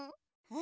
え！